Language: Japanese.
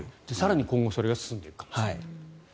今後それが更に進んでいくかもしれない。